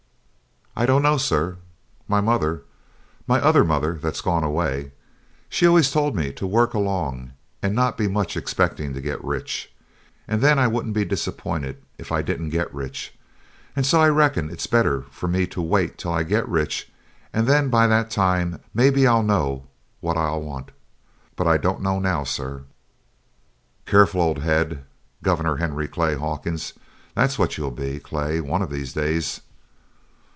"I don't know, sir. My mother my other mother that's gone away she always told me to work along and not be much expecting to get rich, and then I wouldn't be disappointed if I didn't get rich. And so I reckon it's better for me to wait till I get rich, and then by that time maybe I'll know what I'll want but I don't now, sir." "Careful old head! Governor Henry Clay Hawkins! that's what you'll be, Clay, one of these days.